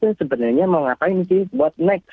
itu sebenarnya mau ngapain sih buat next